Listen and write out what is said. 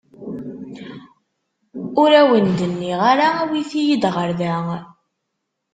Ur awen-d-nniɣ ara awit-iyi-d ɣer da.